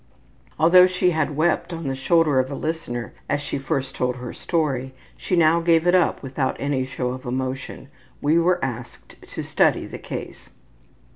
Although she had wept on the shoulder of a listener as she first told her story, she now gave it up without any show of emotion. We were asked to study the case.